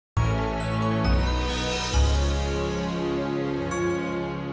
kamu rag astagfirullah